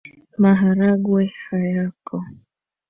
Maharagwe hayako